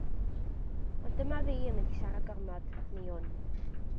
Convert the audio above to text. Ond dyma fi yn mynd i siarad gormod, mi wn.